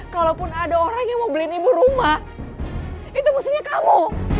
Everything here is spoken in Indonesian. kalaupun ada orang yang mau beliin ibu rumah itu musuhnya kamu